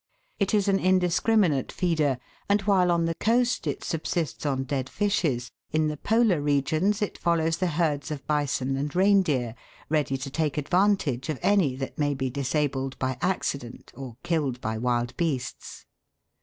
It is an indiscriminate feeder, and while on the coast it subsists on dead fishes, in the polar regions it follows the herds of bison and reindeer, ready to take advantage of any that may be disabled by accident, or killed by wild beasts.